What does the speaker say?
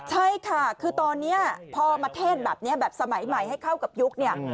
ใช่ค่ะคือตอนนี้พอมาเทศแบบนี้แบบสมัยใหม่ให้เข้ากับยุคเนี่ย